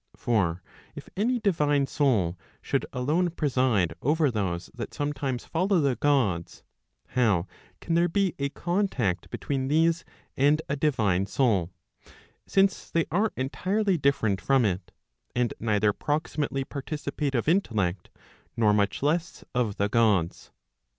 For if any divine soul should alone preside over those that sometimes follow the Gods, how can there be a contact between these and a divine soul, since they are entirely different from it, and neither proximately participate of intellect, nor much less of the Gods.